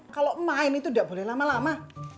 kalau main itu tidak boleh lama lama